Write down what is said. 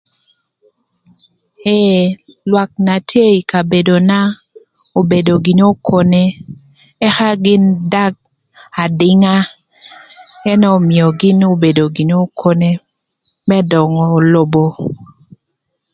Ëë lwak na tye ï kabedona obedo gïnï okone ëka gïn dag adinga ënë ömïö gïn obedo gïnï okone më dongo lobo.